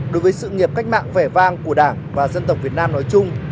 đối với sự nghiệp cách mạng vẻ vang của đảng và dân tộc việt nam nói chung